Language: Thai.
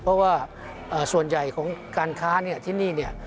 เพราะว่าส่วนใหญ่ของการค้าเนี่ยที่นี่เนี่ย